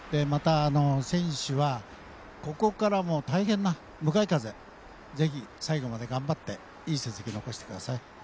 また、選手はここからもう大変な向かい風、ぜひ最後まで頑張っていい成績残してください。